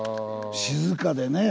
静かでね。